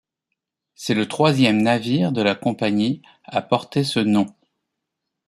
C'est le troisième navire de la compagnie à porter ce nom.